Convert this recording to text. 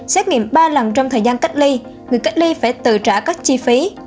xét nghiệm ba lần trong thời gian cách ly người cách ly phải tự trả các chi phí